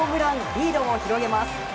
リードを広げます。